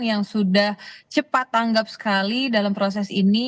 yang sudah cepat tanggap sekali dalam proses ini